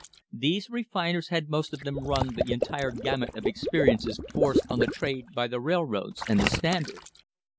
These refiners had most of them run the entire gamut of experiences forced on the trade by the railroads and the Standard.